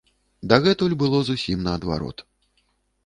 Дагэтуль было зусім наадварот.